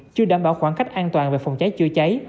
chưa đảm bảo khoảng cách an toàn về phòng cháy chữa cháy